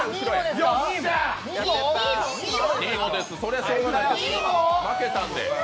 それはしょうがない負けたんで。